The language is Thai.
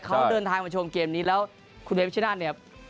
เขาเดินทางมาชมเกมนี้แล้วคุณเอพิชนาธิ์เนี่ย